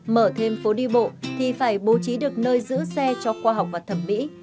mở thêm phố đi bộ thì phải bố trí được nơi giữ xe cho khoa học và thẩm mỹ